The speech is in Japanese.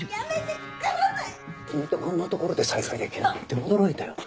君とこんな所で再会できるなんて驚いたよ。